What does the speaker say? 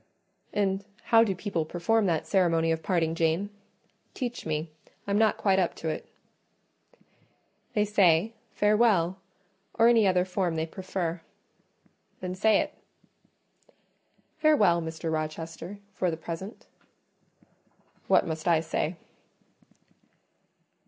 "And how do people perform that ceremony of parting, Jane? Teach me; I'm not quite up to it." "They say, Farewell, or any other form they prefer." "Then say it." "Farewell, Mr. Rochester, for the present." "What must I say?"